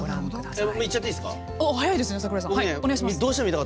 いっちゃっていいですか。